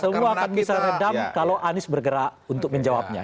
semua akan bisa redam kalau anies bergerak untuk menjawabnya